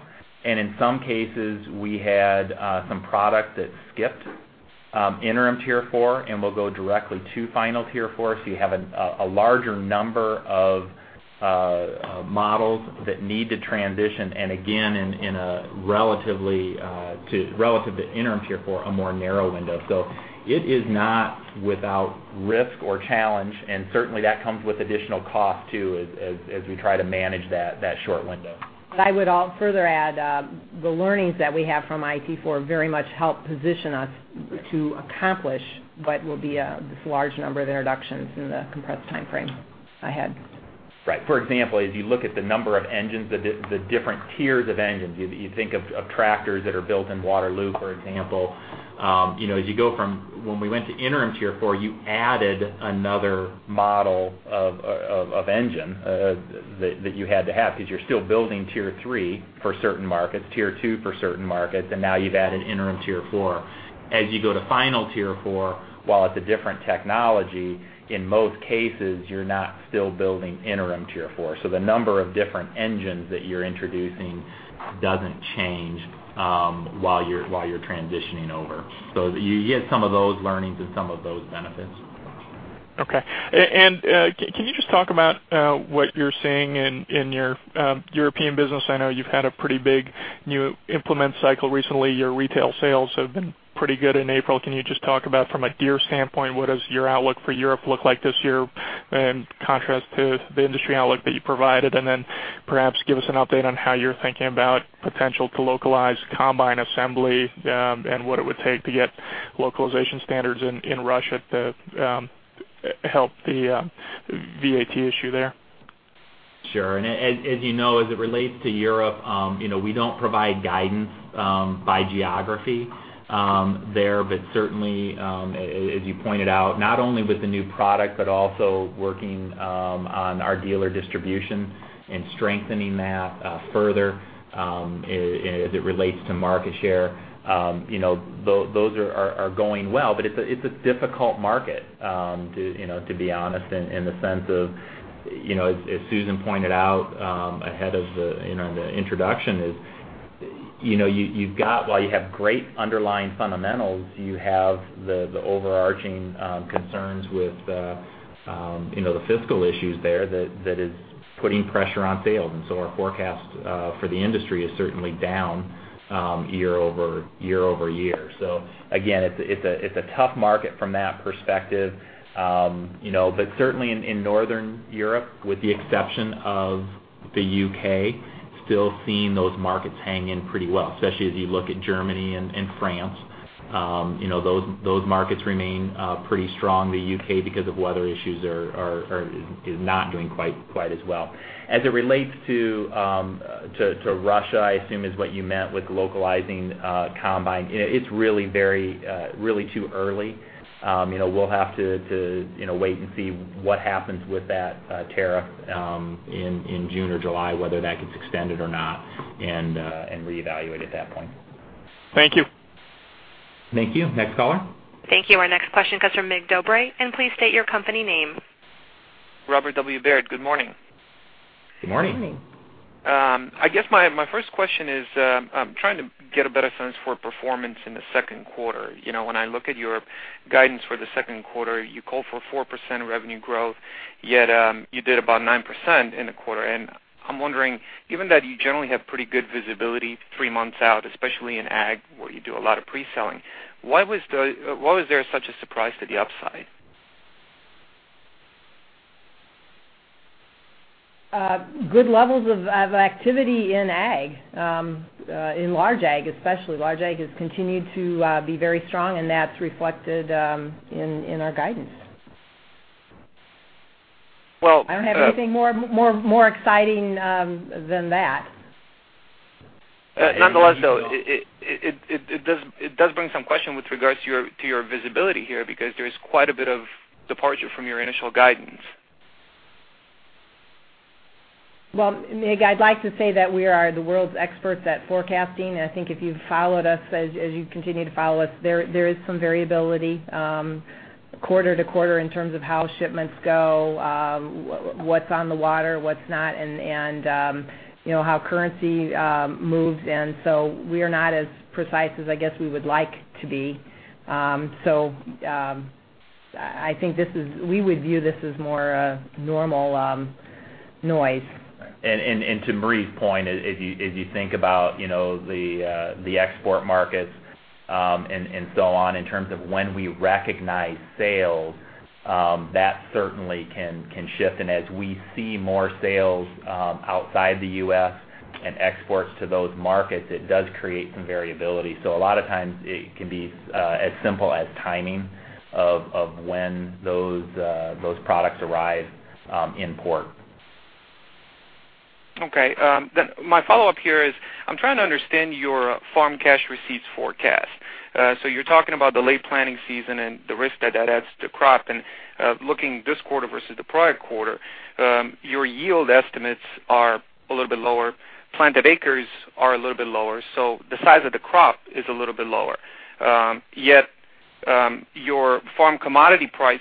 and in some cases, we had some product that skipped Interim Tier 4 and will go directly to Final Tier 4. You have a larger number of models that need to transition, and again, in a relatively, relative to Interim Tier 4, a more narrow window. It is not without risk or challenge, and certainly that comes with additional cost, too, as we try to manage that short window. I would further add, the learnings that we have from IT4 very much help position us to accomplish what will be this large number of introductions in the compressed timeframe ahead. Right. For example, as you look at the number of engines, the different tiers of engines, you think of tractors that are built in Waterloo, for example. As you go from when we went to Interim Tier 4, you added another model of engine that you had to have because you're still building Tier 3 for certain markets, Tier 2 for certain markets, and now you've added Interim Tier 4. As you go to Final Tier 4, while it's a different technology, in most cases, you're not still building Interim Tier 4. The number of different engines that you're introducing doesn't change while you're transitioning over. You get some of those learnings and some of those benefits. Okay. Can you just talk about what you're seeing in your European business? I know you've had a pretty big new implement cycle recently. Your retail sales have been pretty good in April. Can you just talk about from a Deere standpoint, what does your outlook for Europe look like this year in contrast to the industry outlook that you provided? Then perhaps give us an update on how you're thinking about potential to localize combine assembly and what it would take to get localization standards in Russia to help the VAT issue there. Sure. As you know, as it relates to Europe, we don't provide guidance by geography there. Certainly, as you pointed out, not only with the new product but also working on our dealer distribution and strengthening that further as it relates to market share. Those are going well, but it's a difficult market, to be honest, in the sense of, as Susan pointed out ahead of the introduction is, while you have great underlying fundamentals, you have the overarching concerns with the fiscal issues there that is putting pressure on sales. Our forecast for the industry is certainly down year-over-year. Again, it's a tough market from that perspective. Certainly in Northern Europe, with the exception of the U.K., still seeing those markets hang in pretty well, especially as you look at Germany and France. Those markets remain pretty strong. The U.K., because of weather issues, is not doing quite as well. As it relates to Russia, I assume is what you meant with localizing combine, it's really too early. We'll have to wait and see what happens with that tariff in June or July, whether that gets extended or not, and reevaluate at that point. Thank you. Thank you. Next caller. Thank you. Our next question comes from Mig Dobre, and please state your company name. Robert W. Baird, good morning. Good morning. Good morning. I guess my first question is, I'm trying to get a better sense for performance in the second quarter. When I look at your guidance for the second quarter, you called for 4% revenue growth, yet you did about 9% in the quarter. I'm wondering, given that you generally have pretty good visibility three months out, especially in ag, where you do a lot of pre-selling, why was there such a surprise to the upside? Good levels of activity in ag, in large ag especially. Large ag has continued to be very strong, and that's reflected in our guidance. Well- I don't have anything more exciting than that. Nonetheless, though, it does bring some question with regards to your visibility here, because there is quite a bit of departure from your initial guidance. Well, Mig, I'd like to say that we are the world's experts at forecasting, and I think if you've followed us, as you continue to follow us, there is some variability quarter to quarter in terms of how shipments go, what's on the water, what's not, and how currency moves. We are not as precise as I guess we would like to be. I think we would view this as more normal noise. To Marie's point, as you think about the export markets and so on in terms of when we recognize sales, that certainly can shift. As we see more sales outside the U.S. and exports to those markets, it does create some variability. A lot of times it can be as simple as timing of when those products arrive in port. Okay. My follow-up here is, I'm trying to understand your farm cash receipts forecast. You're talking about the late planting season and the risk that that adds to crop. Looking this quarter versus the prior quarter, your yield estimates are a little bit lower. Planted acres are a little bit lower. The size of the crop is a little bit lower. Yet, your farm commodity price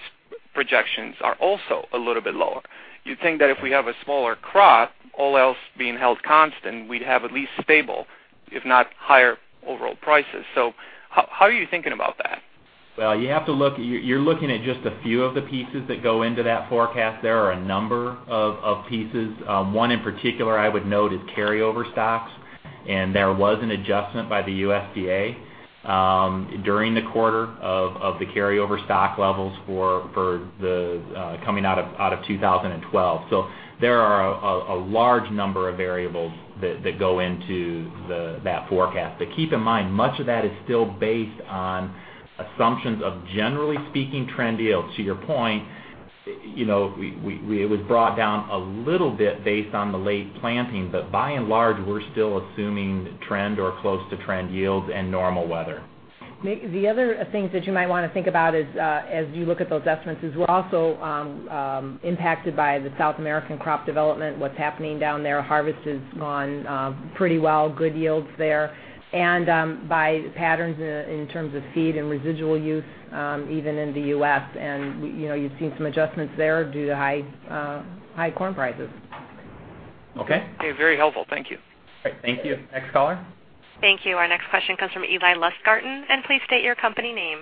projections are also a little bit lower. You'd think that if we have a smaller crop, all else being held constant, we'd have at least stable, if not higher overall prices. How are you thinking about that? Well, you're looking at just a few of the pieces that go into that forecast. There are a number of pieces. One in particular I would note is carryover stocks, and there was an adjustment by the USDA during the quarter of the carryover stock levels coming out of 2012. There are a large number of variables that go into that forecast. Keep in mind, much of that is still based on assumptions of generally speaking trend yields. To your point, it was brought down a little bit based on the late planting. By and large, we're still assuming trend or close to trend yields and normal weather. Mig, the other things that you might want to think about as you look at those estimates is we're also impacted by the South American crop development, what's happening down there. Harvest is gone pretty well, good yields there. By patterns in terms of feed and residual use, even in the U.S., and you've seen some adjustments there due to high corn prices. Okay. Okay. Very helpful. Thank you. Great. Thank you. Next caller. Thank you. Our next question comes from Eli Lustgarten, and please state your company name.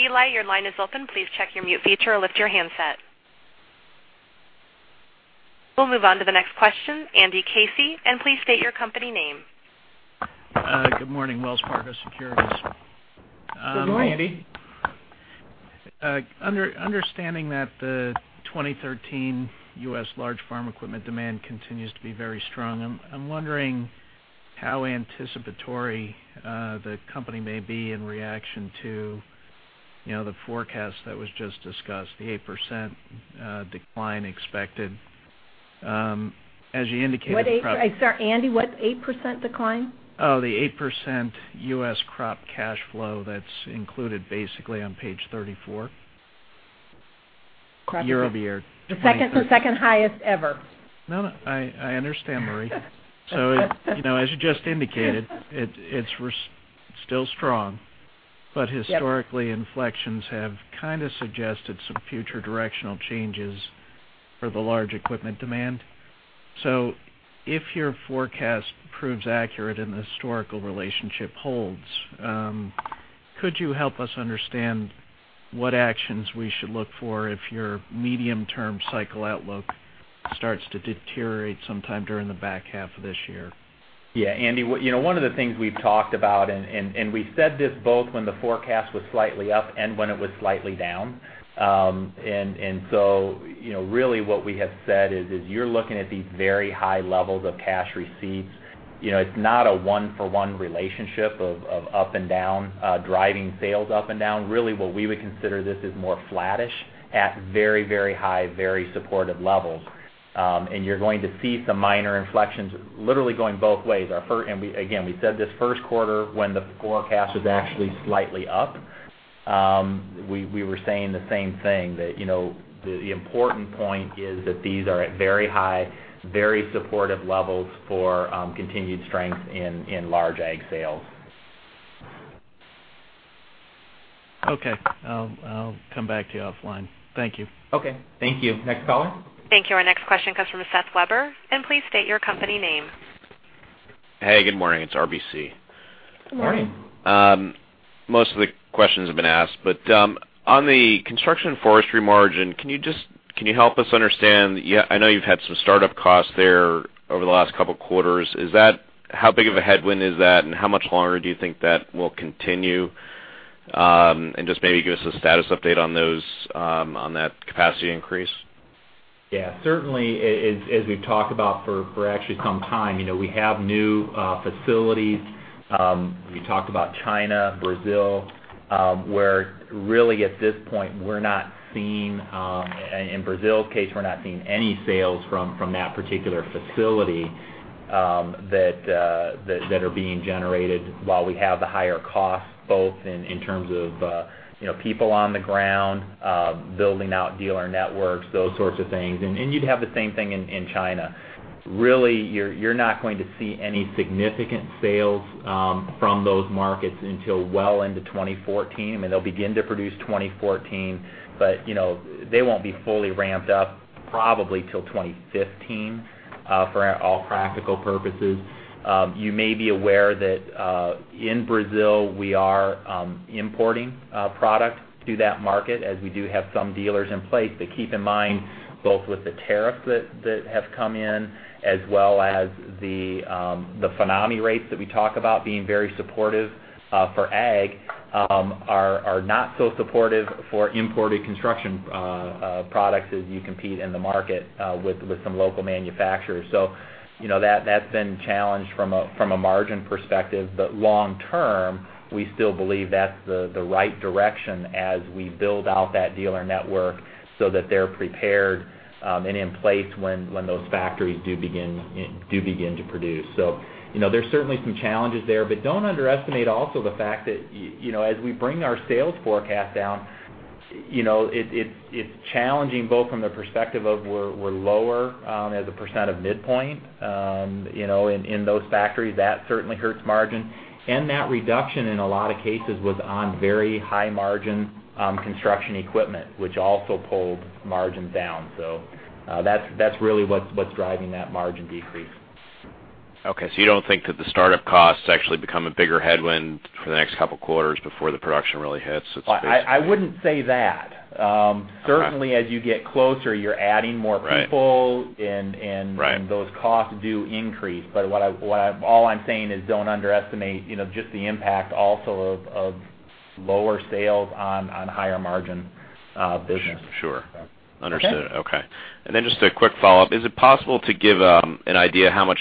Eli, your line is open. Please check your mute feature or lift your handset. We'll move on to the next question, Andrew Casey, and please state your company name. Good morning, Wells Fargo Securities. Good morning, Andy. Understanding that the 2013 U.S. large farm equipment demand continues to be very strong, I'm wondering how anticipatory the company may be in reaction to the forecast that was just discussed, the 8% decline expected. As you indicated. I'm sorry, Andy, what's 8% decline? Oh, the 8% U.S. crop cash flow that's included basically on page 34, year-over-year. The second highest ever. No, I understand, Marie. As you just indicated, it's still strong. Yep. Historically, inflections have kind of suggested some future directional changes for the large equipment demand. If your forecast proves accurate and the historical relationship holds, could you help us understand what actions we should look for if your medium term cycle outlook starts to deteriorate sometime during the back half of this year? Yeah. Andy, one of the things we've talked about. We said this both when the forecast was slightly up and when it was slightly down. Really what we have said is, if you're looking at these very high levels of cash receipts, it's not a one-for-one relationship of up and down, driving sales up and down. Really what we would consider this is more flattish at very, very high, very supportive levels. You're going to see some minor inflections literally going both ways. Again, we said this first quarter when the forecast was actually slightly up. We were saying the same thing, that the important point is that these are at very high, very supportive levels for continued strength in large ag sales. Okay. I'll come back to you offline. Thank you. Okay. Thank you. Next caller. Thank you. Our next question comes from Seth Weber. Please state your company name. Hey, good morning. It's RBC. Good morning. Morning. Most of the questions have been asked, but on the Construction & Forestry margin, can you help us understand, I know you've had some startup costs there over the last couple of quarters. How big of a headwind is that, and how much longer do you think that will continue? Just maybe give us a status update on that capacity increase. Yeah. Certainly, as we've talked about for actually some time, we have new facilities. We talked about China, Brazil, where really at this point, in Brazil's case, we're not seeing any sales from that particular facility that are being generated while we have the higher costs, both in terms of people on the ground, building out dealer networks, those sorts of things. You'd have the same thing in China. Really, you're not going to see any significant sales from those markets until well into 2014. I mean, they'll begin to produce 2014, but they won't be fully ramped up probably till 2015, for all practical purposes. You may be aware that in Brazil we are importing product to that market, as we do have some dealers in place. Keep in mind, both with the tariffs that have come in, as well as the FINAME rates that we talk about being very supportive for ag, are not so supportive for imported construction products as you compete in the market with some local manufacturers. That's been challenged from a margin perspective. Long term, we still believe that's the right direction as we build out that dealer network so that they're prepared and in place when those factories do begin to produce. There's certainly some challenges there, but don't underestimate also the fact that as we bring our sales forecast down, it's challenging both from the perspective of we're lower as a % of midpoint in those factories. That certainly hurts margin. That reduction, in a lot of cases, was on very high-margin construction equipment, which also pulled margins down. That's really what's driving that margin decrease. You don't think that the startup costs actually become a bigger headwind for the next couple of quarters before the production really hits, it's basically? I wouldn't say that. Okay. Certainly, as you get closer, you're adding more people. Right Those costs do increase. All I'm saying is don't underestimate just the impact also of lower sales on higher margin business. Sure. Okay. Understood. Okay. Just a quick follow-up, is it possible to give an idea how much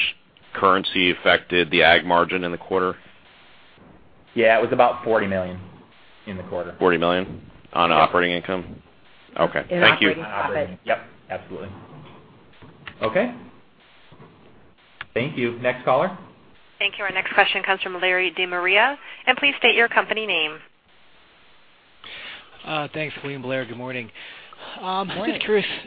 currency affected the ag margin in the quarter? Yeah, it was about $40 million in the quarter. $40 million? On operating income? Okay. Thank you. In operating profit. Yep, absolutely. Okay. Thank you. Next caller. Thank you. Our next question comes from Larry DeMaria. Please state your company name. Thanks, William Blair. Good morning. Good day. I'm interested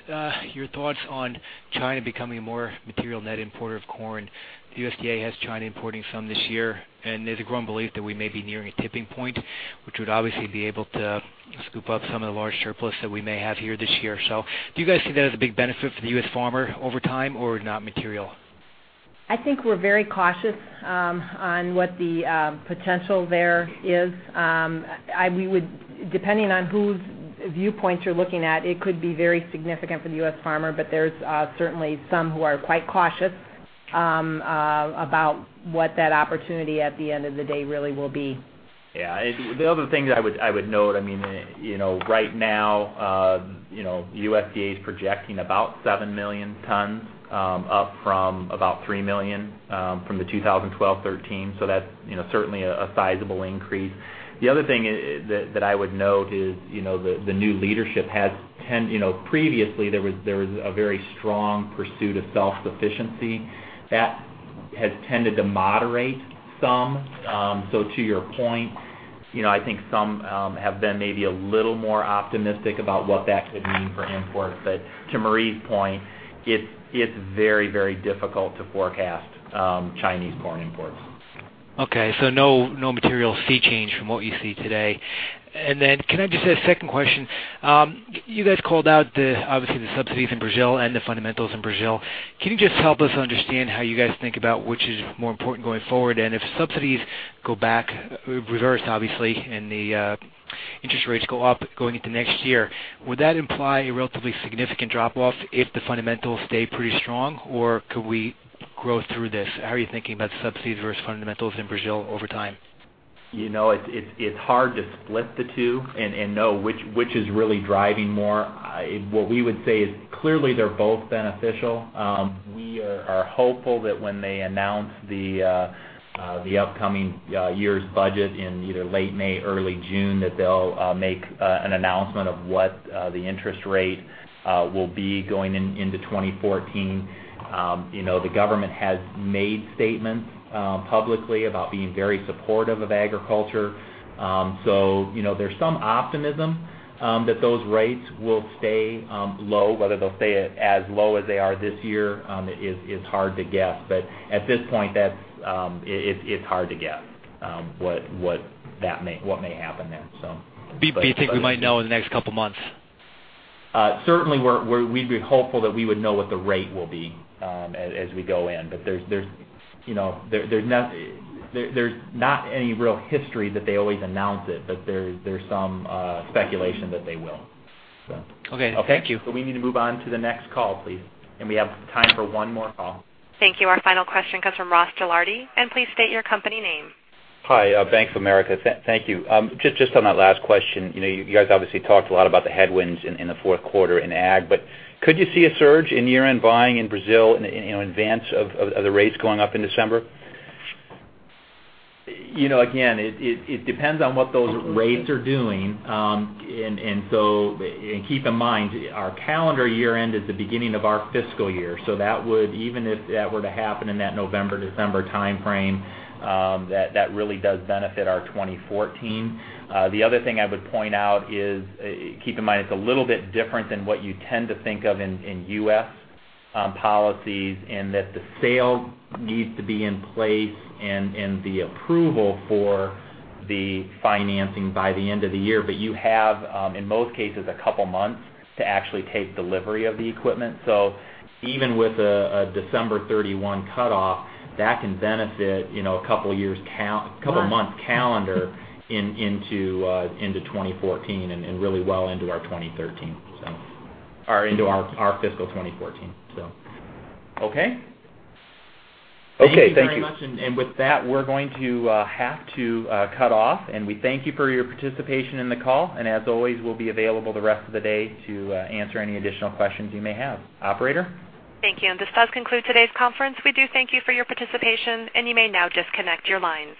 your thoughts on China becoming a more material net importer of corn. The USDA has China importing some this year, and there's a growing belief that we may be nearing a tipping point, which would obviously be able to scoop up some of the large surplus that we may have here this year. Do you guys see that as a big benefit for the U.S. farmer over time, or not material? I think we're very cautious on what the potential there is. Depending on whose viewpoint you're looking at, it could be very significant for the U.S. farmer, but there's certainly some who are quite cautious about what that opportunity at the end of the day really will be. Yeah. The other thing that I would note, right now, USDA is projecting about 7 million tons, up from about 3 million from the 2012-2013. That's certainly a sizable increase. The other thing that I would note is the new leadership. Previously, there was a very strong pursuit of self-sufficiency. That has tended to moderate some. To your point, I think some have been maybe a little more optimistic about what that could mean for imports. To Marie's point, it's very difficult to forecast Chinese corn imports. Okay. No material sea change from what you see today. Can I just say a second question? You guys called out, obviously, the subsidies in Brazil and the fundamentals in Brazil. Can you just help us understand how you guys think about which is more important going forward? If subsidies go back, reverse obviously, and the interest rates go up going into next year, would that imply a relatively significant drop-off if the fundamentals stay pretty strong, or could we grow through this? How are you thinking about subsidies versus fundamentals in Brazil over time? It's hard to split the two and know which is really driving more. What we would say is clearly they're both beneficial. We are hopeful that when they announce the upcoming year's budget in either late May, early June, that they'll make an announcement of what the interest rate will be going into 2014. The government has made statements publicly about being very supportive of agriculture. There's some optimism that those rates will stay low. Whether they'll stay as low as they are this year is hard to guess. At this point, it's hard to guess what may happen there. You think we might know in the next couple of months? Certainly, we'd be hopeful that we would know what the rate will be as we go in. There's not any real history that they always announce it, but there's some speculation that they will. Okay. Thank you. We need to move on to the next call, please. We have time for one more call. Thank you. Our final question comes from Ross Gilardi, please state your company name. Hi, Bank of America. Thank you. Just on that last question. You guys obviously talked a lot about the headwinds in the fourth quarter in ag, but could you see a surge in year-end buying in Brazil in advance of the rates going up in December? It depends on what those rates are doing. Keep in mind, our calendar year end is the beginning of our fiscal year. Even if that were to happen in that November-December timeframe, that really does benefit our 2014. The other thing I would point out is, keep in mind, it's a little bit different than what you tend to think of in U.S. policies in that the sale needs to be in place and the approval for the financing by the end of the year. You have, in most cases, a couple of months to actually take delivery of the equipment. Even with a December 31 cutoff, that can benefit a couple of months calendar into 2014 and really well into our fiscal 2014. Okay. Okay. Thank you. Thank you very much. With that, we're going to have to cut off, and we thank you for your participation in the call. As always, we'll be available the rest of the day to answer any additional questions you may have. Operator? Thank you. This does conclude today's conference. We do thank you for your participation, and you may now disconnect your lines.